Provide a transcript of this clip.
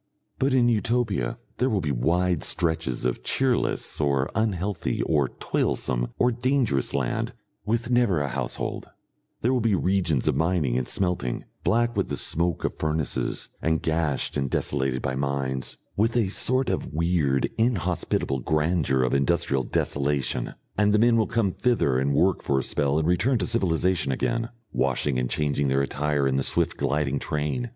But in Utopia there will be wide stretches of cheerless or unhealthy or toilsome or dangerous land with never a household; there will be regions of mining and smelting, black with the smoke of furnaces and gashed and desolated by mines, with a sort of weird inhospitable grandeur of industrial desolation, and the men will come thither and work for a spell and return to civilisation again, washing and changing their attire in the swift gliding train.